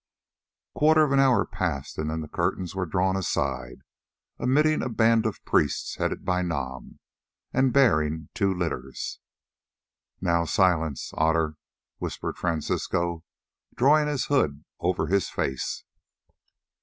A quarter of an hour passed and the curtains were drawn aside, admitting a band of priests, headed by Nam, and bearing two litters. "Now silence, Otter," whispered Francisco, drawing his hood over his face.